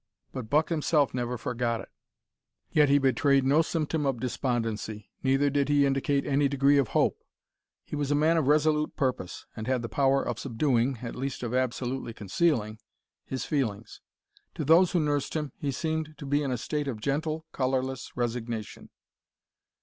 But Buck himself never forgot it; yet he betrayed no symptom of despondency, neither did he indicate any degree of hope. He was a man of resolute purpose, and had the power of subduing at least of absolutely concealing his feelings. To those who nursed him he seemed to be in a state of gentle, colourless resignation.